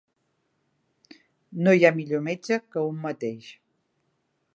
No hi ha millor metge que un mateix.